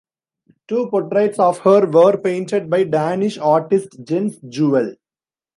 Two portraits of her were painted by Danish artist Jens Juel.